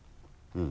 うん。